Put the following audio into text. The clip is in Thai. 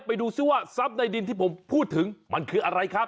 ไปดูซิว่าทรัพย์ในดินที่ผมพูดถึงมันคืออะไรครับ